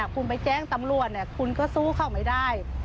คุณไปแจ้งตำรวจคุณก็สู้เขาไม่ได้